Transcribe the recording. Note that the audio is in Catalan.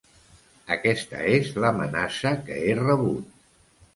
Aquest és l’amenaça que he rebut.